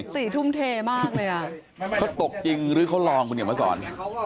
ติทุ่มเทมากเลยอ่ะเขาตกจริงหรือเขาลองคุณเหนียวมาสอน